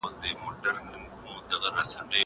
هغه څوک چي ښه خبري کوي اغېز لري!